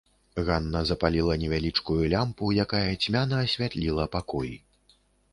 Ганна запаліла невялічкую лямпу, якая цьмяна асвятліла пакой.